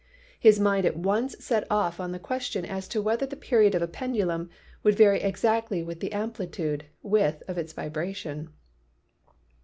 His mind at once set off on the question as to whether the period of a pendulum would vary exactly with the amplitude (width) of its vibration.